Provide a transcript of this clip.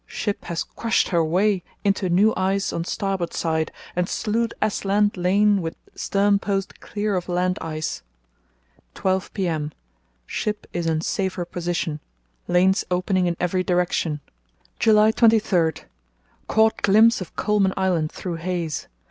—Ship has crushed her way into new ice on starboard side and slewed aslant lane with stern post clear of land ice. 12 p.m.—Ship is in safer position; lanes opening in every direction. "July 23.—Caught glimpse of Coulman Island through haze.